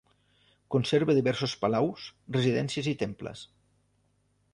Conserva diversos palaus, residències i temples.